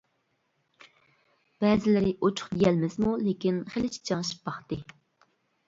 بەزىلىرى ئوچۇق دېيەلمىسىمۇ لېكىن خېلى چىچاڭشىپ باقتى.